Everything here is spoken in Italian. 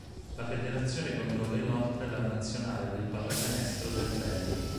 La federazione controlla inoltre la nazionale di pallacanestro del Belgio.